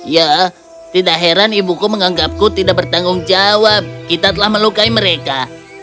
ya tidak heran ibuku menganggapku tidak bertanggung jawab kita telah melukai mereka